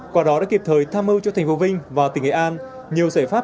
quả đó đã kịp thời tham mưu cho thành phố vinh và tỉnh nghệ an nhiều giải pháp